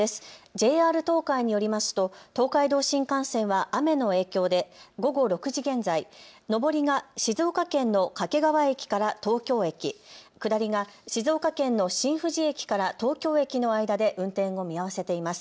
ＪＲ東海によりますと東海道新幹線は雨の影響で午後６時現在、上りが静岡県の掛川駅から東京駅、下りが静岡県の新富士駅から東京駅の間で運転を見合わせています。